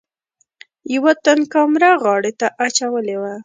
یوه تن کامره غاړې ته اچولې وه.